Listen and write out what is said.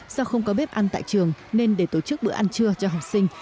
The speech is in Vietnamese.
do không có bếp ăn tại trường nên để tổ chức bữa ăn trưa cho học sinh